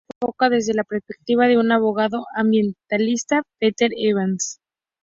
La novela se enfoca desde la perspectiva de un abogado ambientalista, "Peter Evans".